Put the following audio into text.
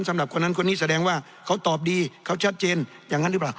สำหรับคนนั้นคนนี้แสดงว่าเขาตอบดีเขาชัดเจนอย่างนั้นหรือเปล่า